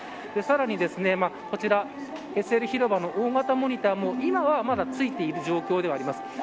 さらに、こちらＳＬ広場の大型モニターも今はまだついている状況ではあります。